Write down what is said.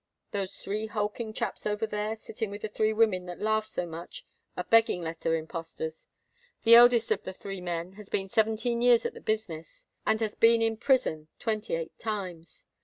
Those three hulking chaps over there, sitting with the three women that laugh so much, are begging letter impostors. The eldest of the three men has been seventeen years at the business, and has been in prison twenty eight times.